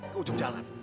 ke ujung jalan